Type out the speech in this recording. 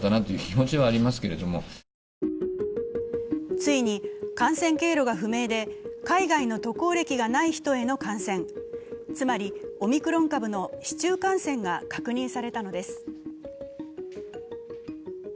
ついに感染経路が不明で海外の渡航歴がない人への感染、つまりオミクロン株の市中感染が確認されたのです。